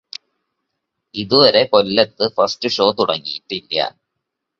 ഇതുവരെ കൊല്ലത്ത് first show തുടങ്ങിയിട്ടില്ല